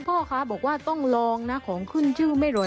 พ่อค้าบอกว่าต้องลองนะของขึ้นชื่อไม่อร่อย